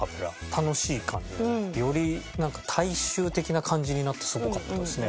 楽しい感じでねより大衆的な感じになってすごかったですね。